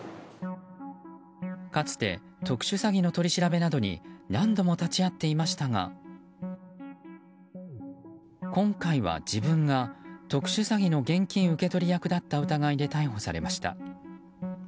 かつて特殊詐欺の取り調べなどに何度も立ち会っていましたが今回は自分が特殊詐欺の現金受け取り役だった疑いで逮捕されました。